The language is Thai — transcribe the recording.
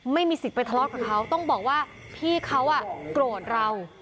ไม่มีสิทธิ์ไปทะเลาะกับเขาต้องบอกว่าพี่เขาโกรธเรา